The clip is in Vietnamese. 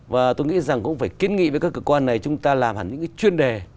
và tôi nghĩ rằng cũng phải kiến nghị với các cơ quan này chúng ta làm hẳn những cái chuyên đề